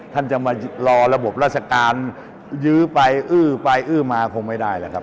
ท่านจะมารอระบบราชการยื้อไปอื้อไปอื้อมาคงไม่ได้แหละครับ